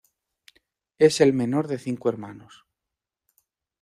Es el menor de cinco hermanos.